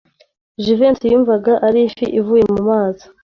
Jivency yumvaga ari ifi ivuye mu mazi.